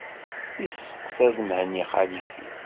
Yesteqsa-t Mhenni Xalifi.